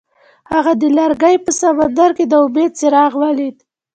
هغه د لرګی په سمندر کې د امید څراغ ولید.